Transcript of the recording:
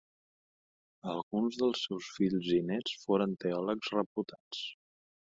Alguns dels seus fills i néts foren teòlegs reputats.